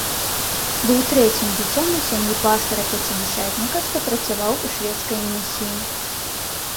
Быў трэцім дзіцём у сям'і пастара-пяцідзясятніка, што працаваў у шведскай місіі.